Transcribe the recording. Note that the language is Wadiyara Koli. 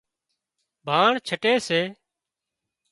ڀاڻ ڇٽي سي